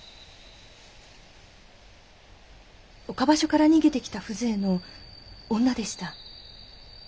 岡場所から逃げてきた風情の女でした。